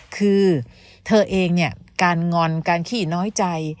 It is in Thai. คือเธอเองเนี่ยการงอนการขี้น้อยใจ